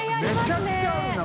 めちゃくちゃあるな！